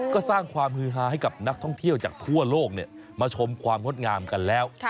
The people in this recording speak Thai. ก็สร้างความฮือฮาให้กับนักท่องเที่ยวจากทั่วโลกมาชมความงดงามกันแล้ว